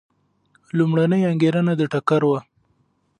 لومړنۍ انګېرنه د ټکر وه.